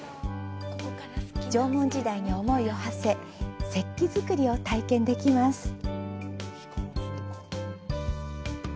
縄文時代に思いをはせ石器作りを体験できます。